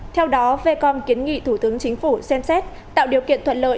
theo đó vecom kiến nghị thủ tướng chính phủ xem xét tạo điều kiện thuận lợi